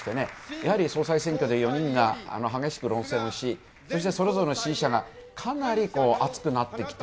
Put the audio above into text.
やはり総裁選挙で４人が激しく論争をし、そして、それぞれの支持者がかなり熱くなってきた。